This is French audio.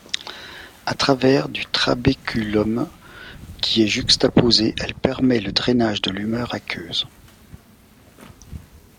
A travers du trabéculum, qui est juxtaposé, elle permet le drainage de l'humeur aqueuse.